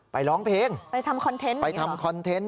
ไปร้องเพลงไปทำคอนเทนต์